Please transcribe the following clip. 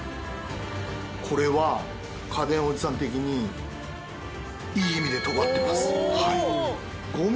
これは家電おじさん的にいい意味で尖ってます。